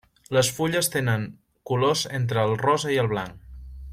Les fulles tenen colors entre el rosa i el blanc.